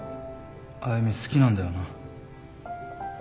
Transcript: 歩美好きなんだよな？